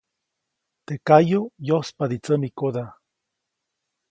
Teʼ kayuʼ yospadi tsämikoda.